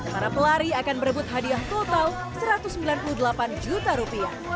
para pelari akan berebut hadiah total rp satu ratus sembilan puluh delapan juta